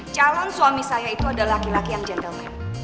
calon suami saya itu adalah laki laki yang gentleman